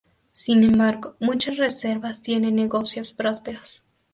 Sin embargo muchas reservas tienen negocios prósperos.